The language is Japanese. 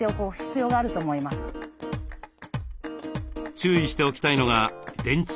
注意しておきたいのが電柱